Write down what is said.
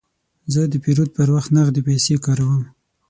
زه د پیرود پر وخت نغدې پیسې کاروم.